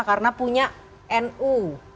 karena punya nu